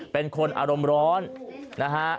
เป็นคนอารมณ์ร้อนนะฮะ